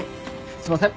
すみません。